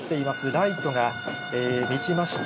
ライトが満ちました